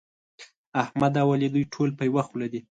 احمد او علي دوی ټول په يوه خوله دي.